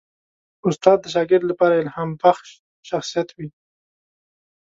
استاد د شاګرد لپاره الهامبخش شخصیت وي.